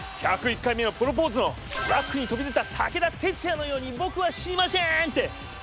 「１０１回目のプロポーズ」のトラックに飛び出た武田鉄矢のように「ぼくは死にましぇーん」